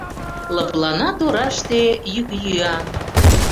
Лыплана тораште йӱк-йӱан.